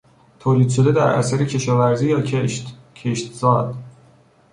تولید شده در اثر کشاورزی یا کشت، کشتزاد